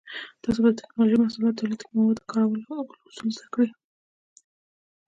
تاسو به د ټېکنالوجۍ محصولاتو تولید کې د موادو کارولو اصول زده کړئ.